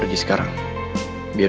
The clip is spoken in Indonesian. aku sedang ark quis